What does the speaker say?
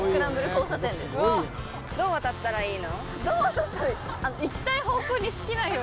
どう渡ったらいい？